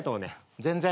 全然。